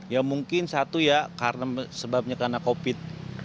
ya mungkin satu ya karena sebabnya karena covid